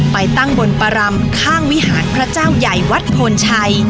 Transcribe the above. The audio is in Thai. ไปตั้งบนประรำข้างวิหารพระเจ้าใหญ่วัดโพนชัย